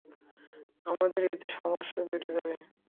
আমাদের এতে সমস্যা বেড়ে যাবে।